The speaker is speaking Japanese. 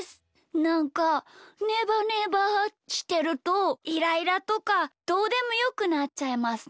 なんかねばねばしてるとイライラとかどうでもよくなっちゃいますね。